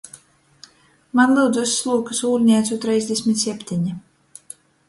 Maņ, lyudzu, iz Slūkys ūļneicu treisdesmit septeni!